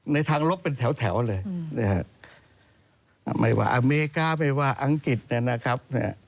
ในทางลบเป็นแถวเลยนะฮะไม่ว่าอเมริกาไม่ว่าอังกฤษเนี่ยนะครับ